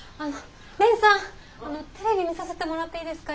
蓮さんテレビ見させてもらっていいですか？